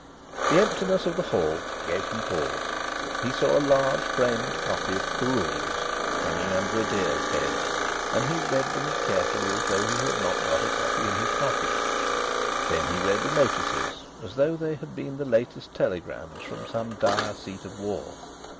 The emptiness of the hall gave him pause. He saw a large framed copy of the "Rules" hanging under a deer's head, and he read them as carefully as though he had not got a copy in his pocket. Then he read the notices, as though they had been latest telegrams from some dire seat of war.